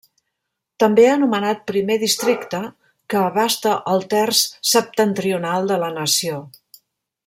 També anomenat Primer Districte, que abasta el terç septentrional de la nació.